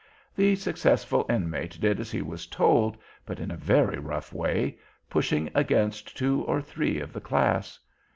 The successful Inmate did as he was told, but in a very rough way, pushing against two or three of the Class.